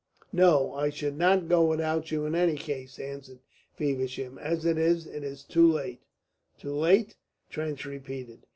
"No, I should not go without you in any case," answered Feversham. "As it is, it is too late." "Too late?" Trench repeated.